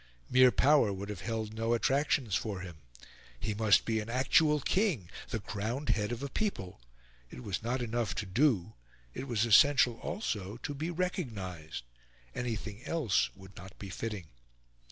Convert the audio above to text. Mere power would have held no attractions for him; he must be an actual king the crowned head of a people. It was not enough to do; it was essential also to be recognised; anything else would not be fitting.